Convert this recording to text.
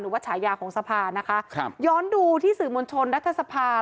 ว่าฉายาของสภานะคะครับย้อนดูที่สื่อมวลชนรัฐสภา